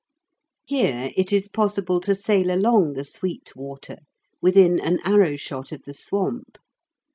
Here it is possible to sail along the sweet water within an arrow shot of the swamp.